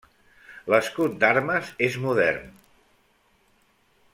L'escut d'armes és moderns.